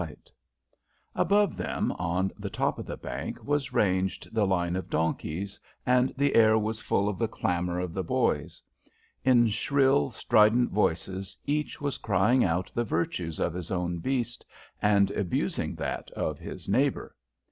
[Illustration: The Soudanese escort filed along p54] Above them, on the top of the bank, was ranged the line of donkeys, and the air was full of the clamour of the boys. In shrill, strident voices each was crying out the virtues of his own beast, and abusing that of his neighbour.